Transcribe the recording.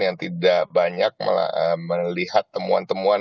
yang tidak banyak melihat temuan temuan